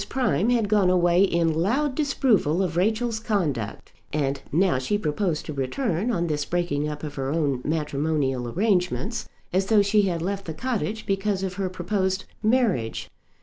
Prime had gone away in loud disapproval of Rachel's conduct; and now she proposed to return, on this breaking up of her own matrimonial arrangements, as though she had left the cottage because of her proposed marriage.